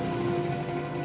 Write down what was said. nah yaudah pak